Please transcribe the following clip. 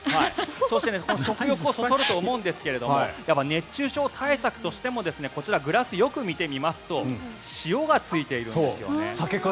そして食欲をそそると思うんですが熱中症対策としてもこちら、グラスをよく見てみますと塩がついているんですよね。